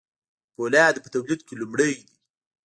د فولادو په تولید کې لومړی دي.